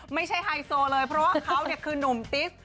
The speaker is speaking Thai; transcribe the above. ไม่ใช่ไฮโซเลยเพราะว่าเขาเนี่ยคือนุ่มติ๊ก